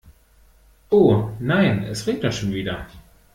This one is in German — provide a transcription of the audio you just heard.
Oh, nein, es regnet schon wieder.